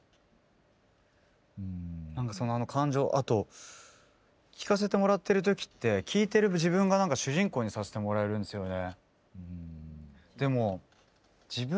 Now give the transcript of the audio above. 何かその感情をあと聴かせてもらってる時って聴いてる自分が主人公にさせてもらえるんですよね。